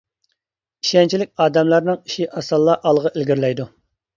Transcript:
ئىشەنچلىك ئادەملەرنىڭ ئىشى ئاسانلا ئالغا ئىلگىرىلەيدۇ.